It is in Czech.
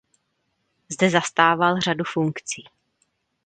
Zde zastával řadu funkcí.